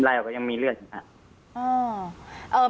ลายออกก็ยังมีเลือดนะครับ